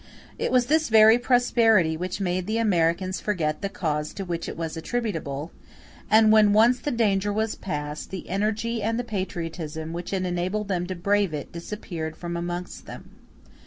It was this very prosperity which made the Americans forget the cause to which it was attributable; and when once the danger was passed, the energy and the patriotism which had enabled them to brave it disappeared from amongst them.